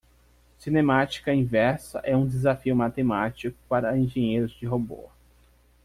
Cinemática inversa é um desafio matemático para engenheiros de robô.